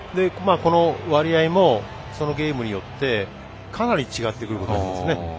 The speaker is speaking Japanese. この割合もそのゲームによってかなり違ってくることがありますね。